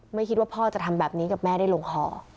ไม่คิดว่าพ่อจะทำแบบนี้กับแม่ได้ลงห่อ